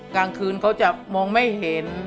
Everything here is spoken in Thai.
กลางคืนเขาจะมองไม่เห็น